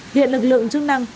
hiện lực lượng chức năng